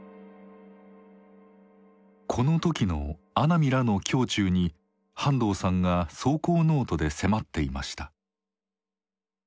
この時の阿南らの胸中に半藤さんが草稿ノートで迫っていました。